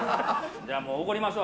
じゃあ、もうおごりますわ。